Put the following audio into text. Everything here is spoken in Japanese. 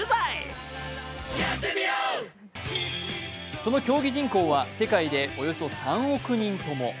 その競技人口は世界でおよそ３億人とも。